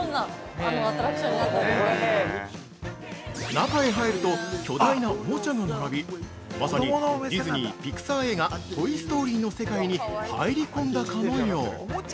◆中へ入ると巨大なおもちゃが並び、まさにディズニー／ピクサー映画「トイ・ストーリー」の世界に入り込んだかのよう。